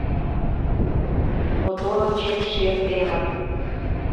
- Мотор ончен шер темын.